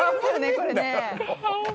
これね。